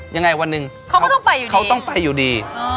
ยังไงวันหนึ่งเขาต้องไปอยู่ดี